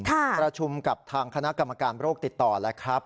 ประชุมกับทางคณะกรรมการโรคติดต่อแล้วครับ